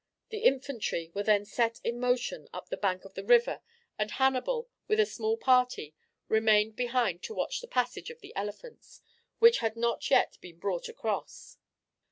The infantry were then set in motion up the bank of the river and Hannibal, with a small party, remained behind to watch the passage of the elephants, which had not yet been brought across.